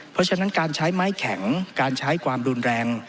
เพราะฉะนั้นการใช้ไม้แข็งการใช้ความรุนแรง